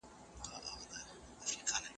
انا هلک له خونې بهر کړ.